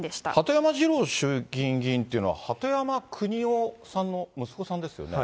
鳩山二郎衆議院議員というのは、鳩山邦夫さんの息子さんですよね？